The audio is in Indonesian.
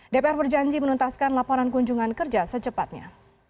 dpr berjanji menuntaskan laporan kunjungan kerja secepatnya